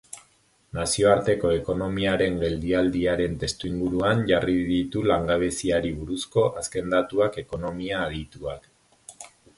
Nazioarteko ekonomiaren geldialdiaren testuinguruan jarri ditu langabeziari buruzko azken datuak ekonomia adituak.